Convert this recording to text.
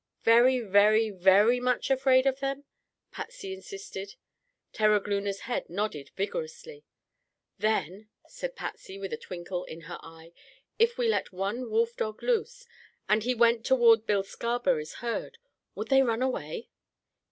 "Very, very, very much afraid of them?" Patsy insisted. Terogloona's head nodded vigorously. "Then," said Patsy, with a twinkle in her eye, "if we let one wolfdog loose, and he went toward Bill Scarberry's herd, would they run away?"